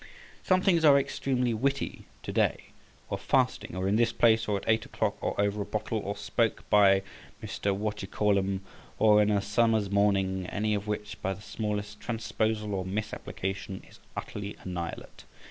Some things are extremely witty to day, or fasting, or in this place, or at eight o'clock, or over a bottle, or spoke by Mr. Whatdyecall'm, or in a summer's morning, any of which, by the smallest transposal or misapplication, is utterly annihilate.